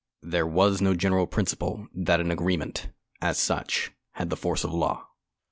There was no general principle that an agreement, as such, had the force of law.